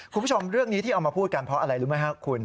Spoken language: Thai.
คุณผู้ชมเรื่องนี้ที่เอามาพูดกันเพราะอะไรรู้ไหมครับคุณ